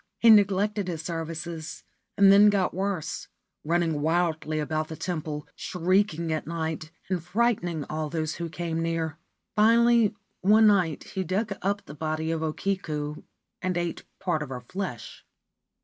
He neglected his services, and then got worse, running wildly about the temple, shrieking at night and frightening all those who came near. Finally, one night he dug up the body of O Kiku and ate part of her flesh.